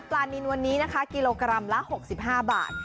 ปลานินวันนี้กิโลกรัมละ๖๕บาท